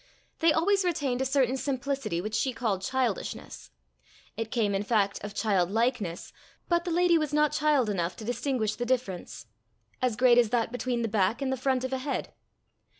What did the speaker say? They always retained a certain simplicity which she called childishness. It came in fact of childlikeness, but the lady was not child enough to distinguish the difference as great as that between the back and the front of a head.